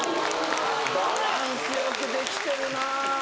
バランス良くできてるな。